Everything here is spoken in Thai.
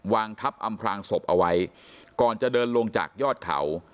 วางทับอำพลางศพเอาไว้ก่อนจะเดินลงจากยอดเขา